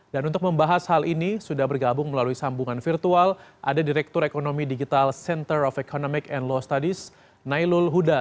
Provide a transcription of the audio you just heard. dan untuk membahas hal ini sudah bergabung melalui sambungan virtual ada direktur ekonomi digital center of economic and law studies nailul huda